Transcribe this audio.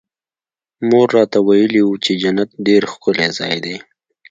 مور راته ويلي وو چې جنت ډېر ښکلى ځاى دى.